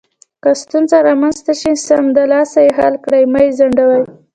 که ستونزه رامنځته شي، سمدلاسه یې حل کړئ، مه یې ځنډوئ.